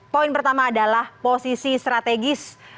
poin pertama adalah posisi strategis